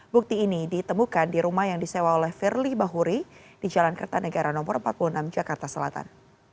bukti ini ditemukan di rumah yang disewa oleh firly bahuri di jalan kertanegara no empat puluh enam jakarta selatan